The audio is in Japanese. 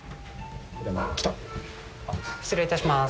失礼いたします。